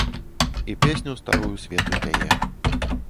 І песню старую свету пяе.